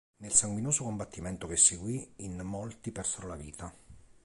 Nel sanguinoso combattimento che seguì, in molti persero la vita.